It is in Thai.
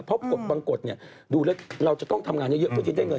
เพราะบางกฎเนี่ยเราจะต้องทำงานเยอะกว่าที่ได้เงิน